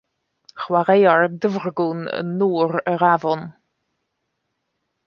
Chwaraeai'r dyfrgwn yn nŵr yr afon.